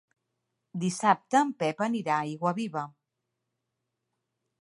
Dissabte en Pep anirà a Aiguaviva.